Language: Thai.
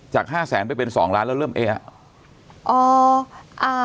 ๕แสนไปเป็น๒ล้านแล้วเริ่มเอ๊ะ